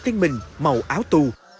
trên mình màu áo tù